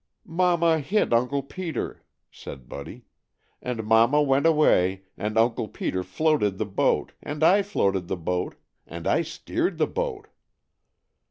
"Mama hit Uncle Peter," said Buddy, "and Mama went away, and Uncle Peter floated the boat, and I floated the boat. And I steered the boat."